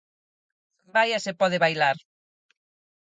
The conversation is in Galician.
Vaia se pode bailar.